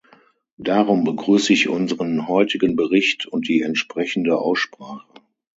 Darum begrüße ich unseren heutigen Bericht und die entsprechende Aussprache.